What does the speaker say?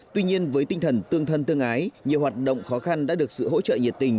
tuy nhiên với tinh thần tương thân tương ái nhiều hoạt động khó khăn đã được sự hỗ trợ nhiệt tình